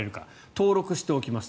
登録しておきます。